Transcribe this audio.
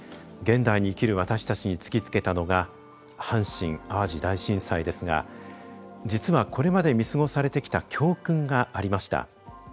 現代に生きる私たちに突きつけたのが阪神・淡路大震災ですが実は、これまで見過ごされてきた教訓がありました。